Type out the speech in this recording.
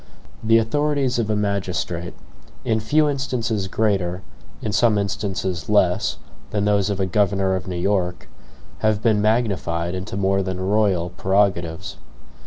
The authorities of a magistrate, in few instances greater, in some instances less, than those of a governor of New York, have been magnified into more than royal prerogatives.